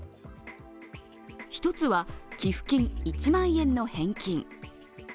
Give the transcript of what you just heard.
１つは寄付金１万円の返金。